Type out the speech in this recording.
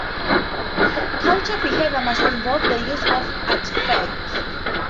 Cultural behavior must involve the use of artifacts.